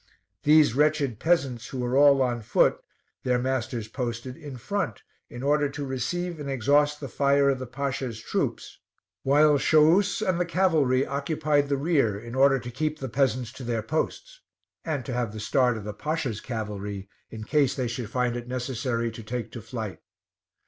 These wretched peasants, who were all on foot, their masters posted in front in order to receive and exhaust the fire of the Pasha's troops; while Shouus and the cavalry occupied the rear in order to keep the peasants to their posts, and to have the start of the Pasha's cavalry in case they should find it necessary to take to flight.